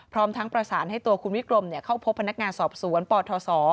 พร้อมทั้งประสานให้ตัวคุณวิกรมเข้าพบพนักงานสอบสวนปทศ